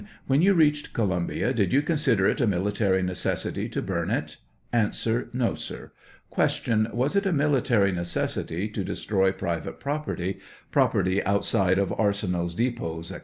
When you reached Columbia, did you consider it a military necessity to burn it ? A. No, sir. ' Q. Was it a military necessity to destroy private property, property outside of arsenals, depots, &e.